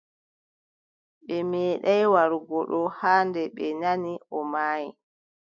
Ɓe meeɗaay warugo ɗo haa nde ɓe nani o maayi.